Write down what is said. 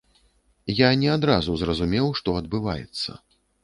Я не адразу зразумеў, што адбываецца!